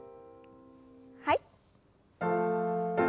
はい。